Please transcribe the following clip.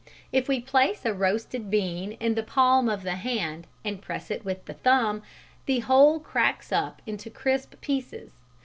If we place a roasted bean in the palm of the hand and press it with the thumb, the whole cracks up into crisp pieces.